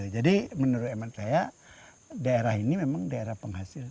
jadi menurut emak saya daerah ini memang daerah penghasil